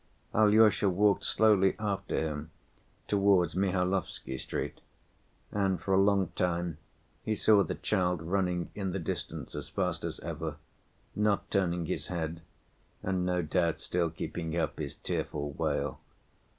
Alyosha walked slowly after him towards Mihailovsky Street, and for a long time he saw the child running in the distance as fast as ever, not turning his head, and no doubt still keeping up his tearful wail.